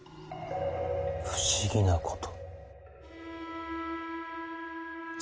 不思議なこと。